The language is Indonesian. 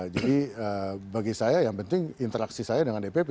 jadi bagi saya yang penting interaksi saya dengan dpp